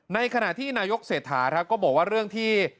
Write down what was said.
ในขณะที่นายกเศรษฐาครับก็บอกว่าเรื่องที่